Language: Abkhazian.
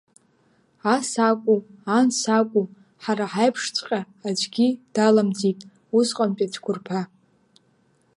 Ас акәу анс акәу, ҳара ҳаиԥшҵәҟьа аӡәгьы даламӡит усҟантәи ацәқәырԥа.